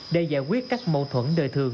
để giải quyết các mâu thuẫn đời thường